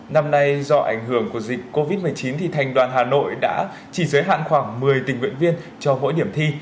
năm nay do ảnh hưởng của dịch covid một mươi chín thành đoàn hà nội đã chỉ giới hạn khoảng một mươi tình nguyện viên cho mỗi điểm thi